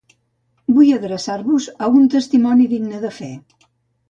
Vull adreçar-vos a un testimoni digne de fe.